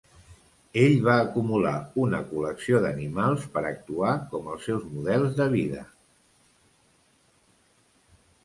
Ell va acumular una col·lecció d'animals per actuar com els seus models de vida.